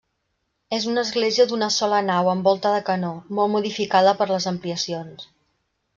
És una església d'una sola nau en volta de canó, molt modificada per les ampliacions.